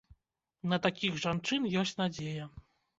На такіх жанчын ёсць надзея.